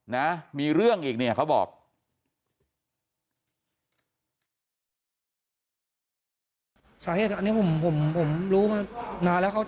นะมีเรื่องอีกเนี่ยเขาบอก